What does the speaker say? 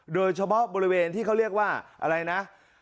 โดยเฉพาะบริเวณที่เขาเรียกว่าอะไรนะ